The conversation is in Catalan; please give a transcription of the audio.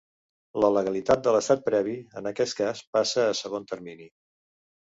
La legalitat de l’estat previ, en aquest cas, passa a un segon termini.